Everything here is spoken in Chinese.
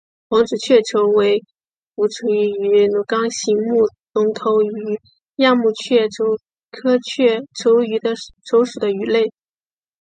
王子雀鲷为辐鳍鱼纲鲈形目隆头鱼亚目雀鲷科雀鲷属的鱼类。